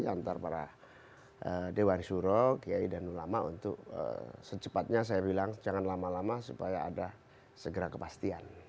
antara para dewan suro kiai dan ulama untuk secepatnya saya bilang jangan lama lama supaya ada segera kepastian